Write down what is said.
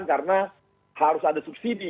karena harus ada subsidi